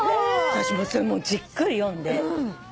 私それじっくり読んで。